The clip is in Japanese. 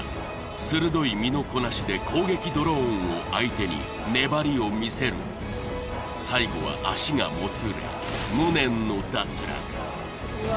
鋭い身のこなしで攻撃ドローンを相手に粘りを見せるも最後は足がもつれ無念の脱落うわ